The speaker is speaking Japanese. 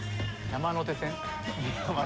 山手線。